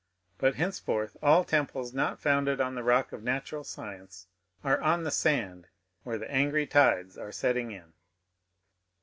But henceforth all temples not founded on the rock of natural science are on the sand where the angry tides are setting in.